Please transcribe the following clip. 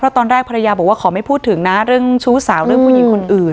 ตอนแรกภรรยาบอกว่าขอไม่พูดถึงนะเรื่องชู้สาวเรื่องผู้หญิงคนอื่น